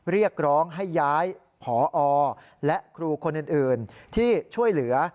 เรียกร้องให้ย้ายผอและครูคนอื่นที่ช่วยเหลือ